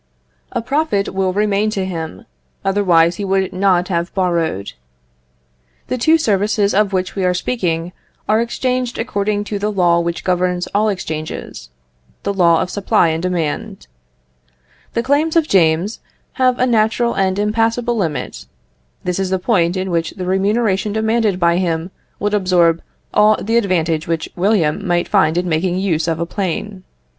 A profit will remain to him, otherwise he would not have borrowed. The two services of which we are speaking are exchanged according to the law which governs all exchanges, the law of supply and demand. The claims of James have a natural and impassable limit. This is the point in which the remuneration demanded by him would absorb all the advantage which William might find in making use of a plane.